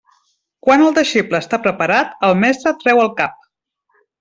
Quan el deixeble està preparat, el mestre treu el cap.